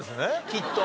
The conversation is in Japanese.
きっと。